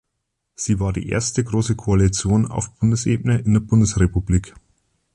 Sie war die erste große Koalition auf Bundesebene in der Bundesrepublik.